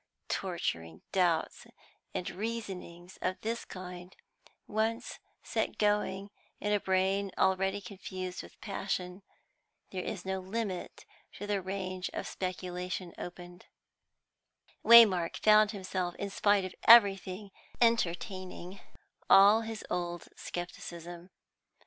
Torturing doubts and reasonings of this kind once set going in a brain already confused with passion, there is no limit to the range of speculation opened; Waymark found himself in spite of everything entertaining all his old scepticism.